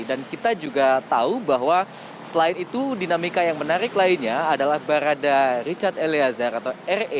dan kita juga tahu bahwa selain itu dinamika yang menarik lainnya adalah barada richard eleazar